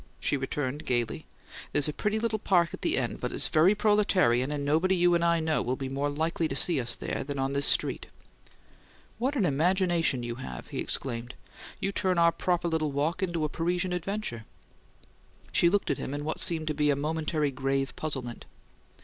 she returned, gaily. "There's a pretty little park at the end, but it's very proletarian, and nobody you and I know will be more likely to see us there than on this street." "What an imagination you have!" he exclaimed. "You turn our proper little walk into a Parisian adventure." She looked at him in what seemed to be a momentary grave puzzlement.